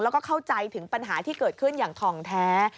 แล้วก็เข้าใจถึงปัญหาที่เกิดขึ้นอย่างทองแท้